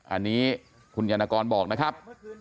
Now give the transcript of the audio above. อันนี้คุณยานกรบอกนะครับ